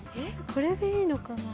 これでいいのかな。